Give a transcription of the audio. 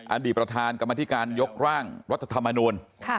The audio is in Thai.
อดีตประธานกรรมธิการยกร่างรัฐธรรมนูล